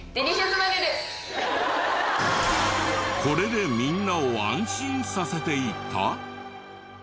これでみんなを安心させていた？